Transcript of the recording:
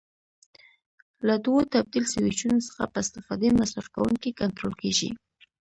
له دوو تبدیل سویچونو څخه په استفادې مصرف کوونکی کنټرول کېږي.